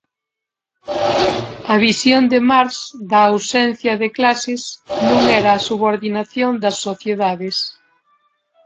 A visión de Marx da ausencia de clases non era a subordinación das sociedades.